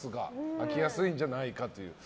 飽きやすいんじゃないかという。